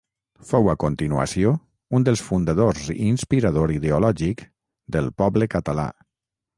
Fou, a continuació, un dels fundadors i inspirador ideològic d'El Poble Català.